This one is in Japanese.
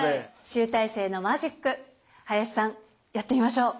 集大成のマジック林さんやってみましょう。